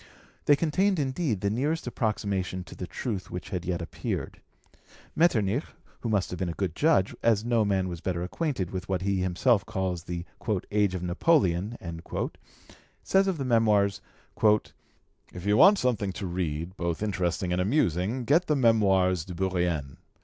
They contained indeed the nearest approximation to the truth which had yet appeared. Metternich, who must have been a good judge, as no man was better acquainted with what he himself calls the "age of Napoleon," says of the Memoirs: "If you want something to read, both interesting and amusing, get the Memoires de Bourrienne.